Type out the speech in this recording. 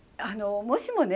もしもね